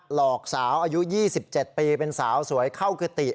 หลอกสาวอายุยี่สิบเจ็ดปีเป็นสาวสวยเข้ากติ